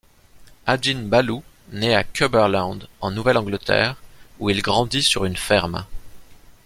Adin Ballou naît à Cumberland, en Nouvelle-Angleterre, où il grandit sur une ferme.